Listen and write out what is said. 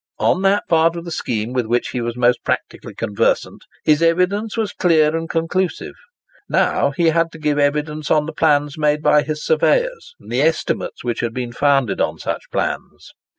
On that part of the scheme with which he was most practically conversant, his evidence was clear and conclusive. Now, he had to give evidence on the plans made by his surveyors, and the estimates which had been founded on such plans.